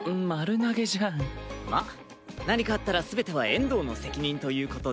まっ何かあったら全ては遠藤の責任ということで。